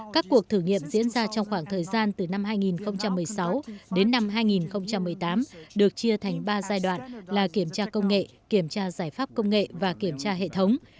các cuộc thử nghiệm diễn ra trong khoảng thời gian từ năm hai nghìn một mươi sáu đến năm hai nghìn một mươi tám được chia thành ba giai đoạn là kiểm tra công nghệ kiểm tra giải pháp công nghệ và kiểm tra hệ thống